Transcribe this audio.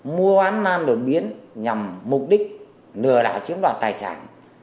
mua oán lan đột biến nhằm mục đích nửa đảo chiếm đoạt tài sản